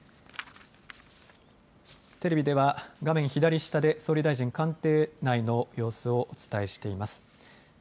テレビでは画面左下で総理大臣官邸内の様子をお伝えしています。